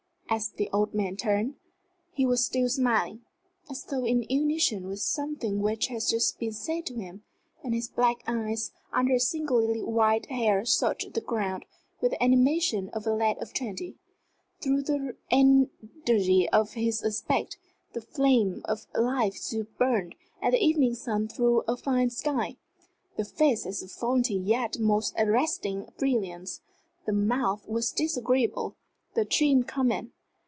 As the old man turned, he was still smiling, as though in unison with something which had just been said to him; and his black eyes under his singularly white hair searched the crowd with the animation of a lad of twenty. Through the energy of his aspect the flame of life still burned, as the evening sun through a fine sky. The face had a faulty yet most arresting brilliance. The mouth was disagreeable, the chin common.